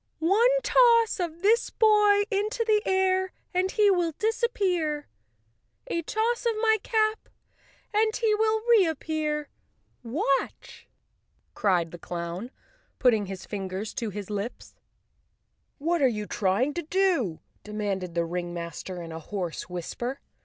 "One toss of this boy into the air, and he will dis¬ appear; a toss of my cap and he will reappear. Watch! " cried the clown, putting his fingers to his lips. "What are you trying to do?" demanded the ring¬ master in a hoarse whisper.